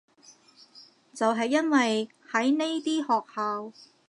就係因為係呢啲學校